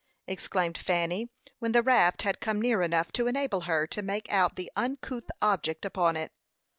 exclaimed Fanny, when the raft had come near enough to enable her to make out the uncouth object upon it.